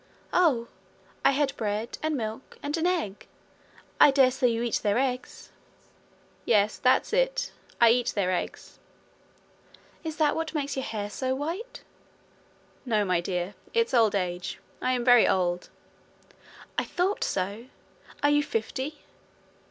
'Oh! I had bread and milk, and an egg I dare say you eat their eggs.' 'Yes, that's it. I eat their eggs.' 'Is that what makes your hair so white?' 'No, my dear. It's old age. I am very old.' 'I thought so. Are you fifty?'